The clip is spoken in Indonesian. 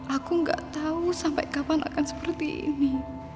aku gak tau sampai kapan akan seperti ini